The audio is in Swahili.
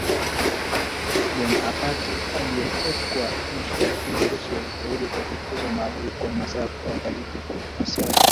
Bonaparte aliyeteka Moscow lakini Warusi walifaulu kuwafukuza maadui kwa msaada wa baridi iliyoua askari